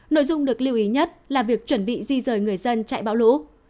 nội dung được lưu ý nhất là việc chuẩn bị di rời người dân chạy bão lũ